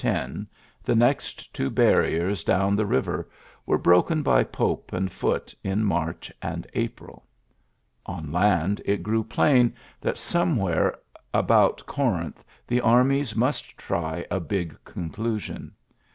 10, the next two barriers down the iiurar^ ^^^H 64 ULYSSES S. GEANT river, were broken by Pope and Foots in March and April. On land it grew plain that somewhere about Corinth the armies must try a big conclusion.